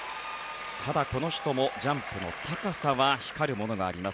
ただ、この人もジャンプの高さは光るものがあります。